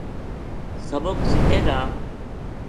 سبق سکھے گا